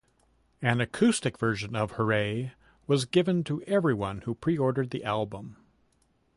An acoustic version of "Hooray" was given to everyone who pre-ordered the album.